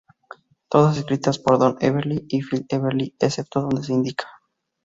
Todas escritas por Don Everly y Phil Everly excepto donde se indica.